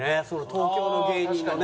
東京の芸人のね。